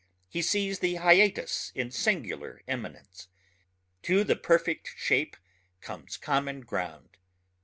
he sees the hiatus in singular eminence. To the perfect shape comes common ground.